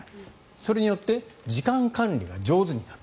それによって時間管理が上手になる。